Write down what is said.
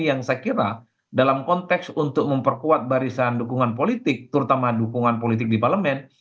yang saya kira dalam konteks untuk memperkuat barisan dukungan politik terutama dukungan politik di parlemen